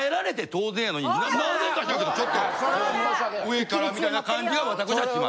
・なんでか知らんけどちょっと上からみたいな感じがわたくしはします。